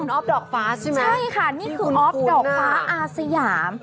นี่คือออฟดอกฟ้าอาสยาม